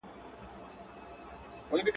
دا نعمت خو د ګیدړ دی چي یې وخوري.